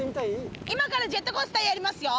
今からジェットコースターやりますよ。